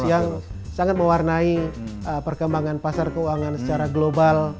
yang sangat mewarnai perkembangan pasar keuangan secara global